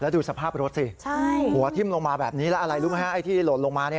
ดูสภาพรถสิหัวทิ้มลงมาแบบนี้อะไรลุมะไอ้ที่โหว์ลดลงมา